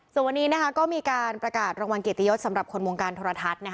ส่วนวันนี้ก็มีการประกาศรางวัลเกียรติยศสำหรับคนวงการโทรทัศน์